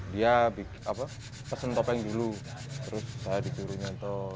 dia pesen topeng dulu terus saya di jurunya